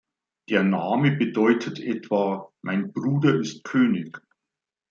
Der Name bedeutet etwa „mein Bruder ist König“.